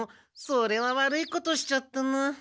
それは悪いことしちゃったな。